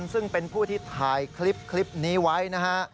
ซึ่งเป็นผู้ที่ถ่ายคลิปนี้ไว้นะฮะ